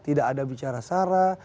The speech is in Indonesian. tidak ada bicara sara